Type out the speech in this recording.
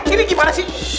ini gimana sih